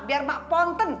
biar mak ponten